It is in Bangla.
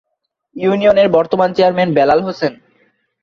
ইউনিয়নের বর্তমান চেয়ারম্যান বেলাল হোসেন।